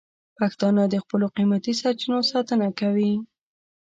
پښتانه د خپلو قیمتي سرچینو ساتنه کوي.